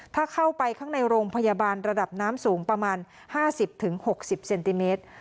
ถ้าเข้าไปข้างในโรงพยาบาลระดับน้ำสูงประมาณห้าสิบถึงหกสิบเซนติเมตร